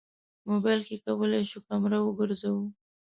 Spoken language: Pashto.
موبایل کې کولی شو کمره وګرځوو.